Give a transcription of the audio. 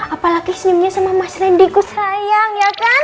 apalagi senyumnya sama mas rendyku sayang ya kan